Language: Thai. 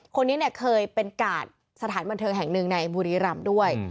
คนนี้เนี่ยเคยเป็นกาดสถานบันเทิงแห่งหนึ่งในบุรีรำด้วย